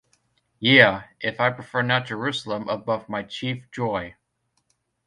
Yea, if I prefer not Jerusalem above my chief joy.